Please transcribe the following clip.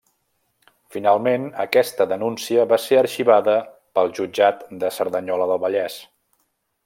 Finalment, aquesta denúncia va ser arxivada pel Jutjat de Cerdanyola del Vallès.